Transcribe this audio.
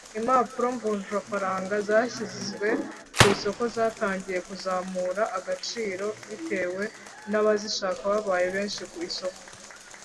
Impapuro mvunjwafaranga zashyizwe ku isoko zatangiye kuzamura agaciro bitewe nabazishaka babaye benshi ku isoko.